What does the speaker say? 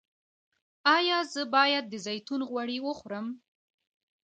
ایا زه باید د زیتون غوړي وخورم؟